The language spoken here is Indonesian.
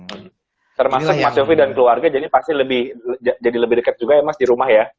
termasuk mas yofi dan keluarga jadi pasti lebih dekat juga ya mas di rumah ya